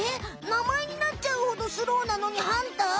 なまえになっちゃうほどスローなのにハンター？